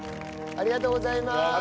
ありがとうございます！